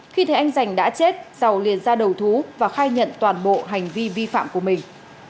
khi thấy anh giành đã chết dầu liền ra đầu thú và khai nhận toàn bộ hành vi vi phạm của mình